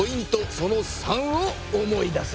その③を思い出せ。